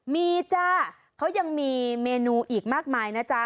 มีจ้าเขายังมีเมนูอีกมากมายนะจ๊ะ